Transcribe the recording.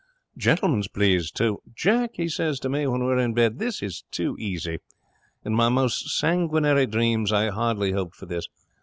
'Gentleman's pleased, too. "Jack," he says to me when we're in bed, "this is too easy. In my most sanguinary dreams I hardly hoped for this.